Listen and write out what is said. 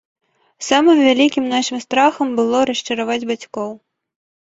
Самым вялікім нашым страхам было расчараваць бацькоў.